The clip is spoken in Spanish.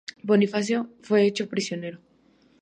Bonifacio fue hecho prisionero.